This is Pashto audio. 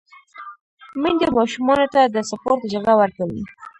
میندې ماشومانو ته د سپورت اجازه ورکوي۔